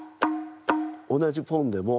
同じポンでも。